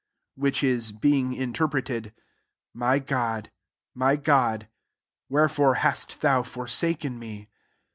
which is, being interpreted. My God, My God> wherefore hast thcMi forsak^i me